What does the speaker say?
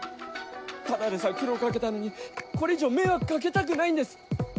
ただでさえ苦労掛けたのにこれ以上迷惑掛けたくないんです